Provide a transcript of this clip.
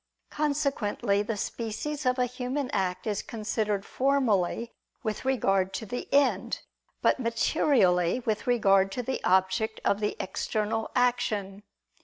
Consequently the species of a human act is considered formally with regard to the end, but materially with regard to the object of the external action.